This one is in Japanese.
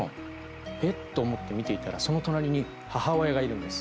えっ？と思って見ていたらその隣に母親がいるんです。